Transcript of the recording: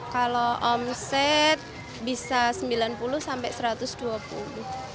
kalau omset bisa sembilan puluh sampai rp satu ratus dua puluh